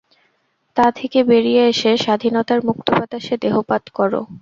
তা থেকে বেরিয়ে এসে স্বাধীনতার মুক্ত বাতাসে দেহপাত কর।